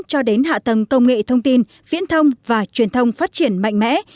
cho đến hạ tầng công nghệ thông tin viễn thông và truyền thông phát triển mạnh mẽ